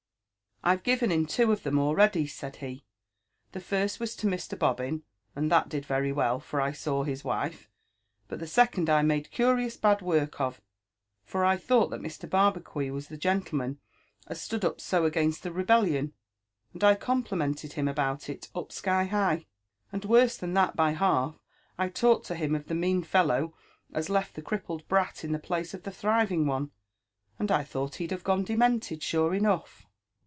" I've given in two of them already," said he. '' The first was to Mr. Bobbin, and that did very well, for! saw his wife; but the second I made curious bad work of, for I thought that Mr. Barbacuit was the gentleman as stood up so against the rebellion, and I complimented him about it up sky high ; and, worse than that by half, I talked to him of the mean fellow as left the crippled brat in the place of the thriving one; and 1 thought he'd have gone demented, sure enough."